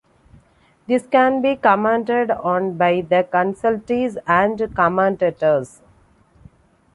This can be commented on by the Consultees and Commentators.